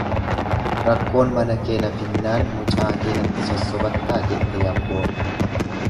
Rakkoon mana kee na finnaan mucaa kee natti sossobattaa jette yamboon.